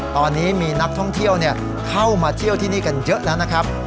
ตอนนี้มีนักท่องเที่ยวเข้ามาเที่ยวที่นี่กันเยอะแล้วนะครับ